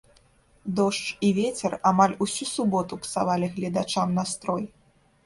Дождж і вецер амаль усю суботу псавалі гледачам настрой.